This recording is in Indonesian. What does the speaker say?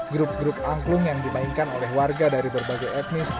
grup grup angklung yang dimainkan oleh warga dari berbagai etnis